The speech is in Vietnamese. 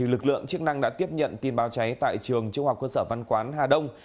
lực lượng chức năng đã tiếp nhận tin báo cháy tại trường trung học cơ sở văn quán hà đông